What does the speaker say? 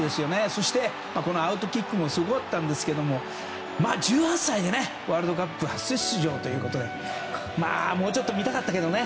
そして、アウトキックもすごかったんですけれど１８歳でワールドカップ初出場ということでもうちょっと見たかったけどね。